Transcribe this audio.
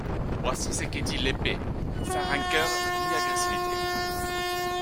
Voici ce que dit Léppé, sans rancœur ni agressivité.